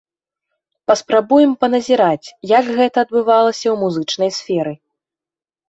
Паспрабуем паназіраць, як гэта адбывалася ў музычнай сферы.